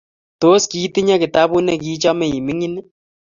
Tos, kitinye kitabut negichame imining?